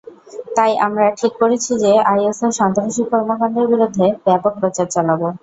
তাই আমরা ঠিক করেছি যে, আইএসের সন্ত্রাসী কর্মকাণ্ডের বিরুদ্ধে ব্যাপক প্রচার চালাব।